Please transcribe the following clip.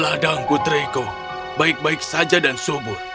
ladang putriku baik baik saja dan subur